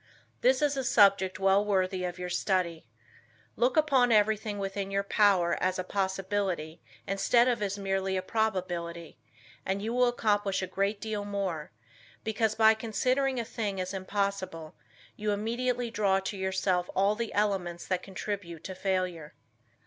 This is a subject well worthy of your study. Look upon everything within your power as a possibility instead of as merely a probability and you will accomplish a great deal more, because by considering a thing as impossible, you immediately draw to yourself all the elements that contribute to failure.